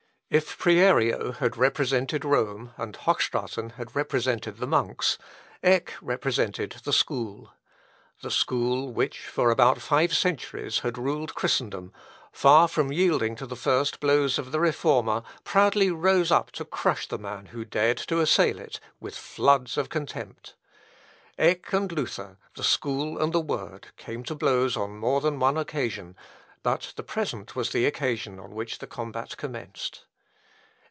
If Prierio had represented Rome, and Hochstraten had represented the monks, Eck represented the School. The School which, for about five centuries, had ruled Christendom, far from yielding to the first blows of the Reformer, proudly rose up to crush the man who dared to assail it with floods of contempt. Eck and Luther, the School and the Word, came to blows on more than one occasion; but the present was the occasion on which the combat commenced.